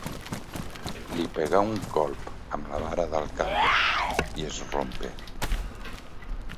Li pegà un colp amb la vara d’alcalde i es rompé.